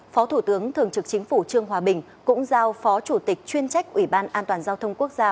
phó thủ tướng thường trực chính phủ trương hòa bình cũng giao phó chủ tịch chuyên trách ủy ban an toàn giao thông quốc gia